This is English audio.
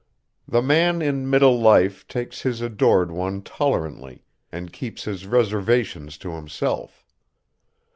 The man in middle life takes his adored one tolerantly, and keeps his reservations to himself.